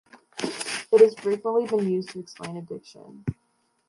It has frequently been used to explain addiction.